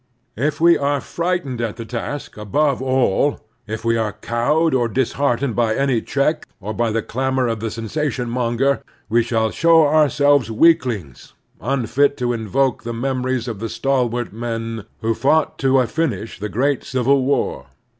If we are frightened at the task, above all, if we are cowed or disheartened by any check, or by the clamor of the sensation monger, we shall show ourselves weaklings unfit to invoke the memories of the stalwart men who fought to a finish the great Civil War.